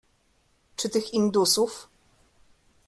"Czy tych indusów?"